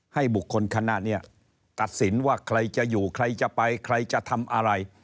ให้บุคคลคณะนี้ตัดสินว่าใครจะอยู่ใครจะไปใครจะทำอะไร